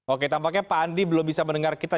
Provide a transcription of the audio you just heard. oke tampaknya pak andi belum bisa mendengar kita